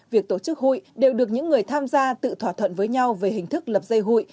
việc tổ chức hụi đều được những người tham gia tự thỏa thuận với nhau về hình thức lập dây hụi